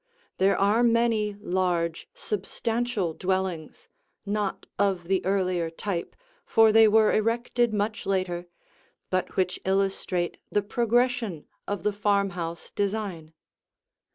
There are many large, substantial dwellings, not of the earlier type, for they were erected much later, but which illustrate the progression of the farmhouse design.